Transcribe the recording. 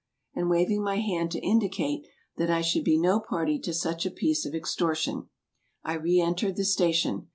and waving my hand to indicate that I should be no party to such a piece of extortion, I re entered the station.